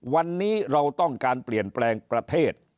วันนี้เราต้องการเปลี่ยนแปลงประเทศ